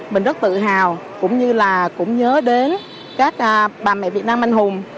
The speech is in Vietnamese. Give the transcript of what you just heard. mình rất tự hào cũng như là cũng nhớ đến các bà mẹ việt nam anh hùng